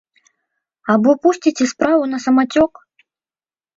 Або пусціце справу на самацёк?